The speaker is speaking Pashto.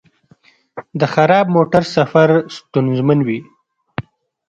د خراب موټر سفر ستونزمن وي.